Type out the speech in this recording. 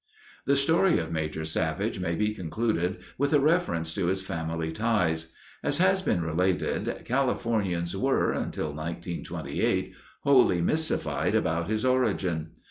The story of Major Savage may be concluded with a reference to his family ties. As has been related, Californians were, until 1928, wholly mystified about his origin.